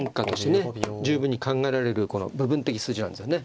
十分に考えられるけどこの部分的筋なんですよね